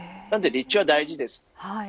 なので立地は大事です。